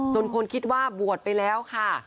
คนคิดว่าบวชไปแล้วค่ะ